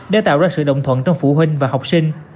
để tạo ra sự đồng thuận trong phụ huynh và học sinh